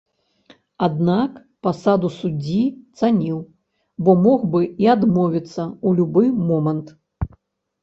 Аднак пасаду суддзі цаніў, бо мог бы і адмовіцца ў любы момант.